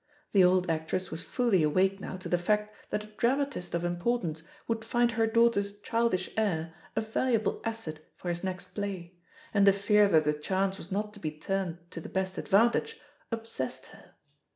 The old actress was fully awake now to the fact that a dramatist of importance would find her daughter's childish air a valuable asset for his next play, and the fear that the chance was not to be turned to the best advantage obsessed her.